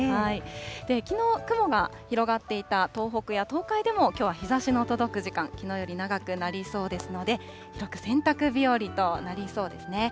きのう、雲が広がっていた東北や東海でも、きょうは日ざしの届く時間、きのうより長くなりそうですので、広く洗濯日和となりそうですね。